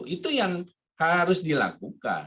itu yang harus dilakukan